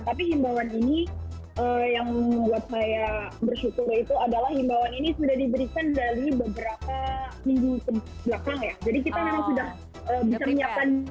tapi imbawan ini yang buat saya bersyukur itu adalah imbawan ini sudah diberikan dari beberapa minggu kebelakang ya